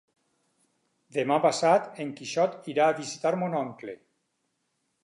Demà passat en Quixot irà a visitar mon oncle.